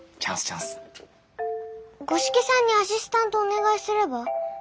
五色さんにアシスタントお願いすれば？